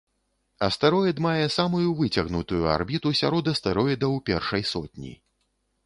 Астэроід мае самую выцягнутую арбіту сярод астэроідаў першай сотні.